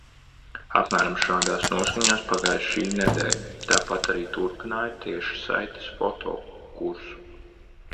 Apmēram šādās noskaņās pagāja šī nedēļa. Tāpat arī turpināju tiešsaistes fotokursu.